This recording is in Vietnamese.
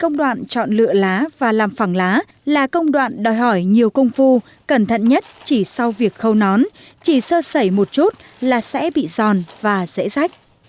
công đoạn chọn lựa lá và làm phẳng lá là công đoạn đòi hỏi nhiều công phu cẩn thận nhất chỉ sau việc khâu nón chỉ sơ sẩy một chút là sẽ bị giòn và dễ rách